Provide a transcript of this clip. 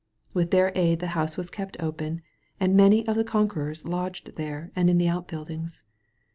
With their aid the house was kept open and many of the conquerors lodged there and in the outbuildings.